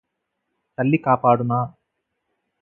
తల్లికాపాడునా